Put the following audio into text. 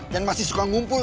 dan masih suka ngumpul